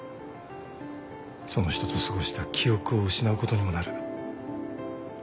その人と過ごした記憶を失うことにもなる。